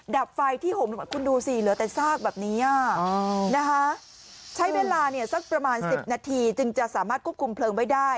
ดับไฟที่ห่มคุณดูสิเหลือแต่ซากแบบนี้นะคะใช้เวลาเนี่ยสักประมาณ๑๐นาทีจึงจะสามารถควบคุมเพลิงไว้ได้